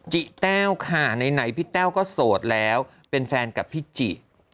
จิแต้วค่ะไหนพี่แต้วก็โสดแล้วเป็นแฟนกับพี่จิ